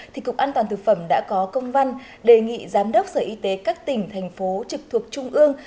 thì cục an toàn thực phẩm đã có công văn đề nghị giám đốc sở y tế các tỉnh thành phố trực thuộc trung ương